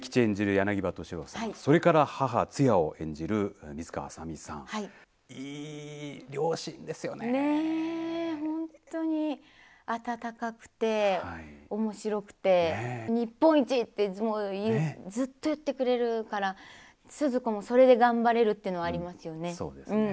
柳葉敏郎さん、それから母、ツヤを演じる水川あさみさん、ねえ、本当に温かくておもしろくて、日本一ってずっと言ってくれるから、鈴子もそれで頑張れるっていうのはありますね。